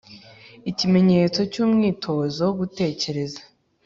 Ikimenyetso cy’umwitozo wo gutekereza